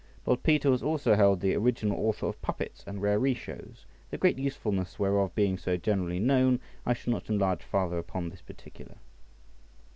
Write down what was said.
Lord Peter was also held the original author of puppets and raree shows, the great usefulness whereof being so generally known, I shall not enlarge farther upon this particular.